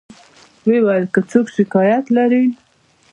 و یې ویل که څوک شکایت لري.